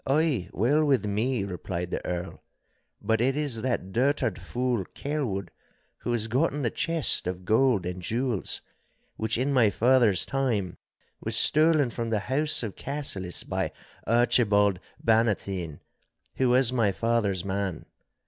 'Ay, well with me,' replied the Earl, 'but it is that dotard fool, Kelwood, who has gotten the chest of gold and jewels, which in my father's time was stolen from the house of Cassillis by Archibald Bannatyne, who was my father's man.